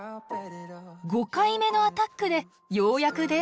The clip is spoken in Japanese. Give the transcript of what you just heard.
５回目のアタックでようやくデートが実現。